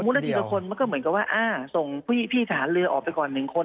มุดละทีละคนก็เหมือนกับว่าส่งพี่สาหารเลือดออกไปก่อนหนึ่งคน